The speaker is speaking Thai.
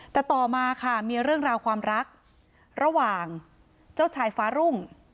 แต่ต่อมาค่ะมีเรื่องราวความรักระหว่างเจ้าชายฟ้ารุ่ง